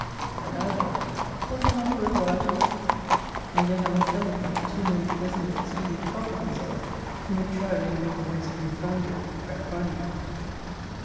And now, Belford, was it not worth while to be sick? And yet I must tell thee, that too many pleasanter expedients offer themselves, to make trial any more of this confounded ipecacuanha.